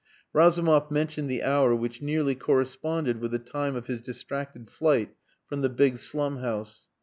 Razumov mentioned the hour which nearly corresponded with the time of his distracted flight from the big slum house.